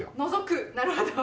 なるほど。